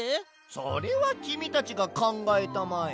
それはきみたちがかんがえたまえ。